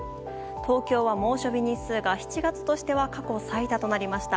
東京は猛暑日日数が７月としては過去最多となりました。